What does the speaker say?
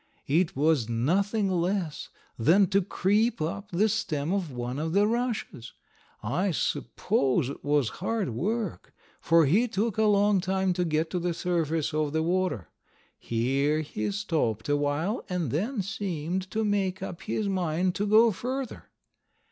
It was nothing less than to creep up the stem of one of the rushes. I suppose it was hard work, for he took a long time to get to the surface of the water. Here he stopped a while and then seemed to make up his mind to go further.